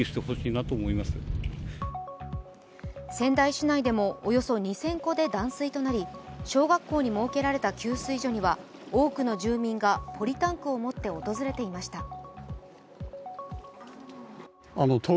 仙台市内でもおよそ２０００戸で断水となり、小学校に設けられた給水所には多くの住民がポリタンクを持って訪れていました。